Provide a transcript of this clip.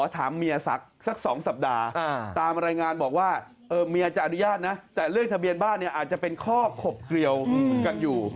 ทะเวียนบ้านอาจจะเป็นข้อขบเกลียวกันอยู่